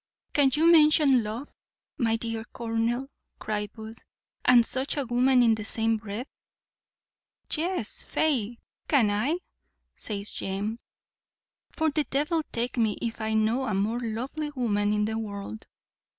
"Can you mention love, my dear colonel," cried Booth, "and such a woman in the same breath?" "Yes, faith! can I," says James; "for the devil take me if I know a more lovely woman in the world."